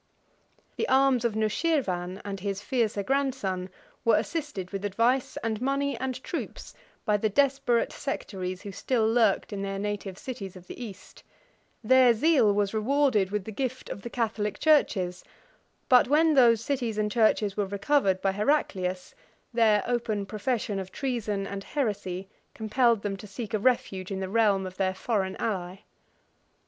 The arms of Nushirvan, and his fiercer grandson, were assisted with advice, and money, and troops, by the desperate sectaries who still lurked in their native cities of the East: their zeal was rewarded with the gift of the Catholic churches; but when those cities and churches were recovered by Heraclius, their open profession of treason and heresy compelled them to seek a refuge in the realm of their foreign ally.